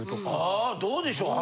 あどうでしょう？